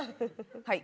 はい。